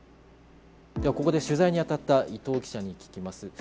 ではここで取材にあたった伊藤記者に聞きます。